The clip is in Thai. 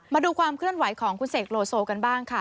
มาดูความเคลื่อนไหวของคุณเสกโลโซกันบ้างค่ะ